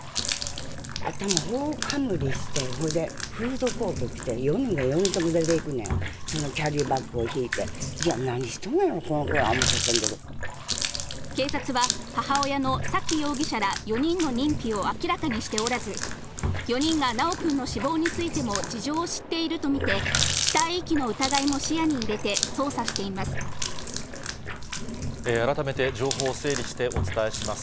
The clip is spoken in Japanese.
頭ほおかむりして、フードコート着て、４人が４人とも出ていくのや、そのキャリーバッグを引いて、いや、なにしとんのや、この子ら、警察は、母親の沙喜容疑者ら４人の認否を明らかにしておらず、４人が修くんの死亡についても事情を知っていると見て、死体遺棄の疑いも視改めて情報を整理してお伝えします。